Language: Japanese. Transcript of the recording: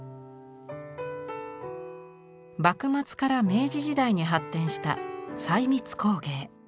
幕末から明治時代に発展した細密工芸。